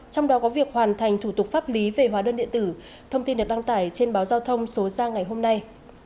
trong đó có việc hoàn thành thủ tục pháp lý về hóa đơn điện tử thông tin được đăng tải trên báo giao thông số ra ngày hôm nay